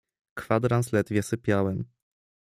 "Kwadrans ledwie sypiałem."